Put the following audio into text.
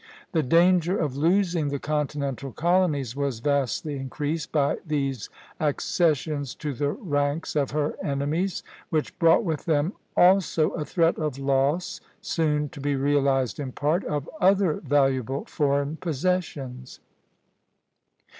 The danger of losing the continental colonies was vastly increased by these accessions to the ranks of her enemies, which brought with them also a threat of loss, soon to be realized in part, of other valuable foreign possessions.